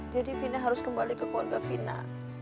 jadi vina harus kembali ke keluarga vina